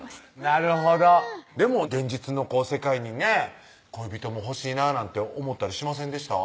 なるほどでも現実の世界にね恋人も欲しいななんて思ったりしませんでした？